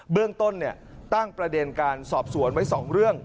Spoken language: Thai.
เรื่องต้นตั้งประเด็นการสอบสวนไว้๒เรื่อง